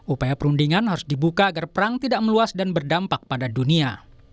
upaya perundingan harus dibuka agar perang tidak meluas dan berdampak pada dunia